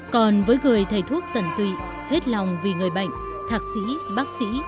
còn với người thầy thuốc tần tùy hết lòng vì người bệnh thạc sĩ bác sĩ